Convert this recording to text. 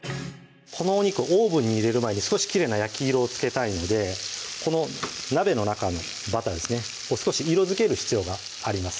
このお肉オーブンに入れる前に少しきれいな焼き色をつけたいのでこの鍋の中のバターですね少し色づける必要があります